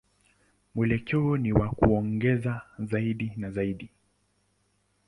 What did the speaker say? Mwelekeo ni wa kuongezeka zaidi na zaidi.